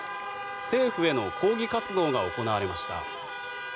政府への抗議活動が行われました。